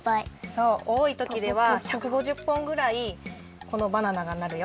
そうおおいときでは１５０ぽんぐらいこのバナナがなるよ。